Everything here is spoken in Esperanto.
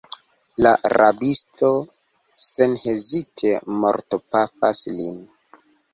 La rabisto senhezite mortpafas lin.